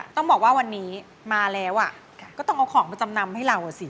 ต้องบอกว่าวันนี้มาแล้วก็ต้องเอาของมาจำนำให้เราอ่ะสิ